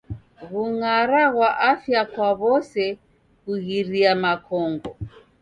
W'ungara ghwa afya kwa w'ose kughiria makongo.